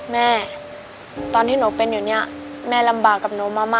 แม่ตอนที่หนูเป็นอยู่เนี่ยแม่ลำบากกับหนูมาก